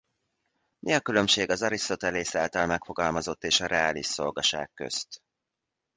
Mi a különbség az Arisztotelész által megfogalmazott és a reális szolgaság közt?